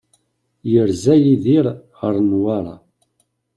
Yerza Yidir ɣer Newwara.